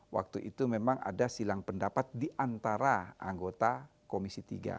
waktu itu memang ada silang pendapat di antara anggota komisi tiga